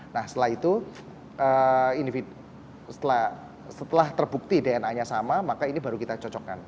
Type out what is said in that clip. nah setelah itu setelah terbukti dna nya sama maka ini baru kita cocokkan